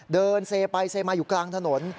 เดินเซไปเซมาอยู่กลางถนน